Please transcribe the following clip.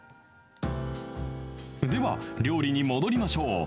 では、料理に戻りましょう。